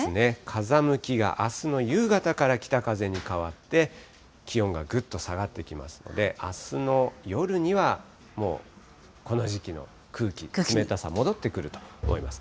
風向きがあすの夕方から北風に変わって、気温がぐっと下がってきますので、あすの夜には、もうこの時期の空気、冷たさ、戻ってくると思います。